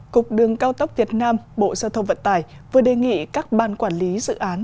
cục đường cao tốc việt nam bộ giao thông vận tải vừa đề nghị các ban quản lý dự án